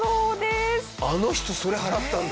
あの人それ払ったんだ。